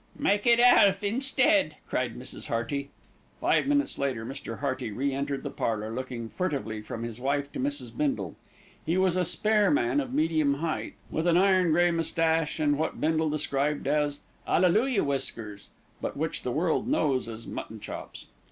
"Make it Alf instead," cried Mrs. Hearty. Five minutes later, Mr. Hearty re entered the parlour, looking furtively from his wife to Mrs. Bindle. He was a spare man of medium height, with an iron grey moustache and what Bindle described as "'alleluia whiskers"; but which the world knows as mutton chops.